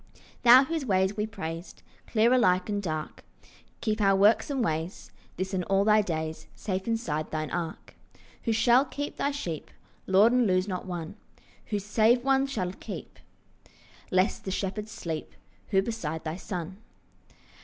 Thou whose ways we praised, Clear alike and dark, Keep our works and ways This and all thy days Safe inside thine ark. Who shall keep thy sheep, Lord, and lose not one? Who save one shall keep, Lest the shepherds sleep? Who beside the Son?